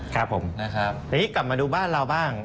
ครับผมนี่กลับมาดูบ้านเราบ้าง